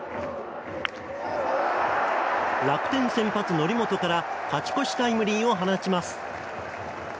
楽天先発、則本から勝ち越しタイムリーを放ちます。